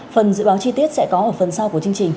phần dự báo chi tiết sẽ có ở phần sau của chương trình